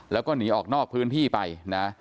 แล้วก็หนีออกนอกพื้นที่ไปนะ